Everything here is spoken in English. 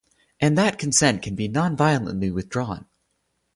And that consent can be non-violently withdrawn.